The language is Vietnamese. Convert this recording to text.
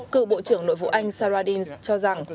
cựu bộ trưởng nội vụ anh sarah deans cho rằng